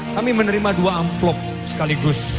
kami menerima dua amplop sekaligus